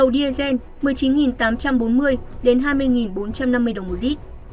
dầu dsn một mươi chín tám trăm bốn mươi hai mươi bốn trăm năm mươi đồng một lít